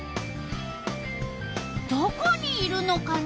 どこにいるのかな？